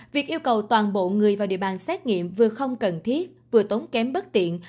việc yêu cầu toàn bộ người vào địa bàn xét nghiệm vừa không cần thiết vừa tốn kém bất tiện